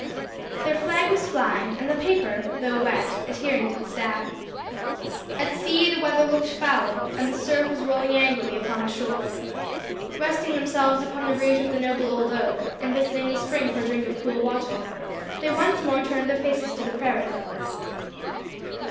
Their flag was flying, and the paper, though wet, adhering to the staff. At sea the weather looked foul, and the surf was rolling angrily upon the shore. Resting themselves upon the root of the noble old oak, and visiting the spring for a drink of cool water, they once more turned their faces to the prairie.